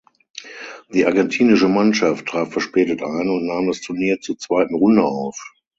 Die argentinische Mannschaft traf verspätet ein und nahm das Turnier zur zweiten Runde auf.